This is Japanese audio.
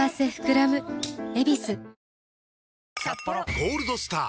「ゴールドスター」！